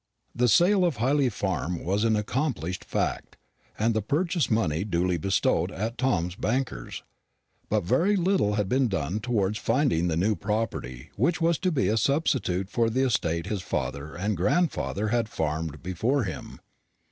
The sale of Hyley Farm was an accomplished fact, and the purchase money duly bestowed at Tom's banker's; but very little had been done towards finding the new property which was to be a substitute for the estate his father and grandfather had farmed before him.